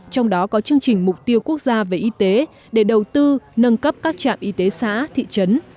trong đó có chương trình mục tiêu quốc gia về y tế để đầu tư nâng cấp các trạm y tế xã thị trấn